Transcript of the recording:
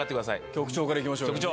局長からいきましょう、局長。